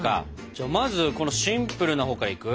じゃあまずこのシンプルなほうからいく？